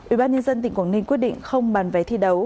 ủy ban nhân dân tỉnh quảng ninh quyết định không bàn vé thi đấu